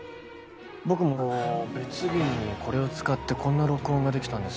僕も別日にこれを使ってこんな録音ができたんです。